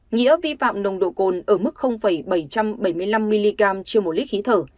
nghĩa vi phạm nồng độ cồn ở mức bảy trăm bảy mươi năm mg trên một lít khí thở